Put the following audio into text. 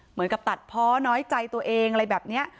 เหมือนกับตัดเพาะน้อยใจตัวเองอะไรแบบนี้